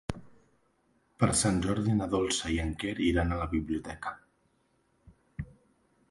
Per Sant Jordi na Dolça i en Quer iran a la biblioteca.